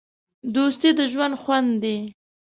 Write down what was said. دوستي د ژوند خوند دی.